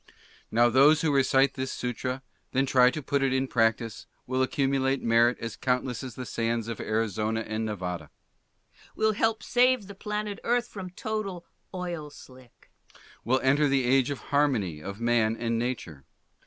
Now those who recite this Sutra and then try to put it in practice willl accumulate merit as countless as the sands of Arizona and Nevada. Will help save the planet Earth from total oil slick. Will enter the age of harmony of man and nature.